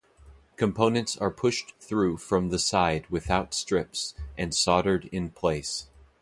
Components are pushed through from the side without strips and soldered in place.